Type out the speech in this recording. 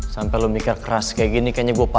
sampai lu mikir keras kayak gini kayaknya gua paham